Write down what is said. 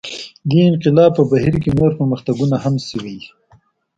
دې انقلاب په بهیر کې نور پرمختګونه هم شوي دي.